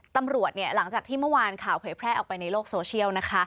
ตำรวจหลังจากที่เมื่อวานข่าวเขยแพร่ออกไปในโลกโซเชียล